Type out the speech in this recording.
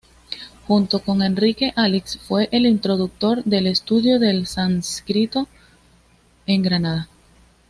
Junto con Enrique Alix fue el introductor del estudio del sánscrito en Granada.